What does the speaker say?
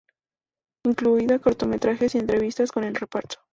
Incluía cortometrajes y entrevistas con el reparto.